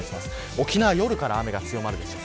沖縄、夜から雨が強まるでしょう。